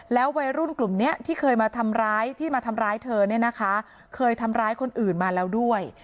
วัยรุ่นกลุ่มนี้ที่เคยมาทำร้ายที่มาทำร้ายเธอเนี่ยนะคะเคยทำร้ายคนอื่นมาแล้วด้วย